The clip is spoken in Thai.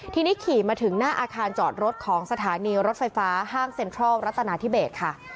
ทีนี้ขี่มาถึงหน้าอาคารจอดรถของสถานีรถไฟฟ้าห้างเซ็นทรัลรัตนาธิเบสค่ะ